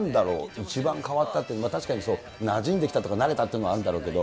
一番変わったって、確かになじんできたとか、慣れたというのはあるんだろうけど。